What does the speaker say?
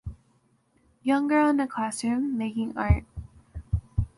Young girl in a classroom, making art.